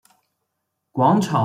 广场部分跨越丽都运河。